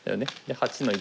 ８の一。